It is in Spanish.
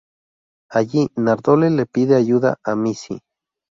Allí, Nardole le pide ayuda a Missy.